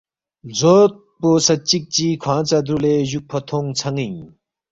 لزوت پو سہ چکچی کھونگ ژا دُرولے جوکفو تھونگ ژھنینگ